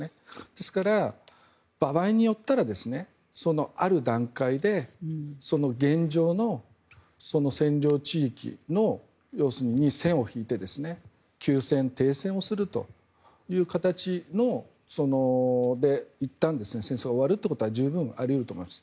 ですから、場合によったらある段階で現状の占領地域に線を引いて休戦、停戦をするという形でいったん戦争は終わるということは十分あり得ると思います。